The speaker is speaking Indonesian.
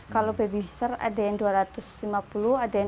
kalau baby sister ada yang dua ratus lima puluh ada yang tiga ratus